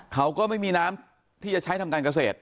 เขาก็ไม่มีน้ำที่จะใช้ทำการเกษตร